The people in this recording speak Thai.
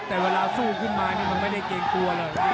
แต่เวลาสู้ขึ้นมานี่มันไม่ได้เกรงกลัวเลย